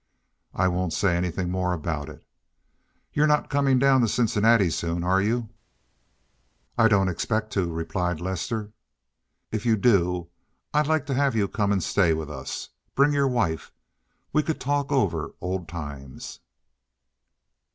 I won't say anything more about it. You're not coming down to Cincinnati soon, are you?" "I don't expect to," replied Lester. "If you do I'd like to have you come and stay with us. Bring your wife. We could talk over old times."